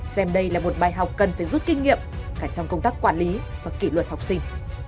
xem đây là một bài học cần phải rút kinh nghiệm cả trong công tác quản lý và kỷ luật học sinh